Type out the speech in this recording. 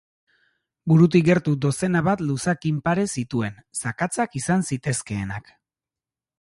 Burutik gertu dozena bat luzakin pare zituen, zakatzak izan zitezkeenak.